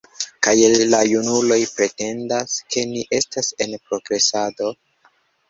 Kaj la junuloj pretendas, ke ni estas en progresado!